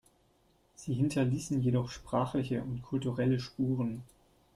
Sie hinterließen jedoch sprachliche und kulturelle Spuren.